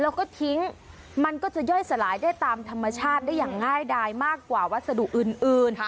แล้วก็ทิ้งมันก็จะย่อยสลายได้ตามธรรมชาติได้อย่างง่ายดายมากกว่าวัสดุอื่น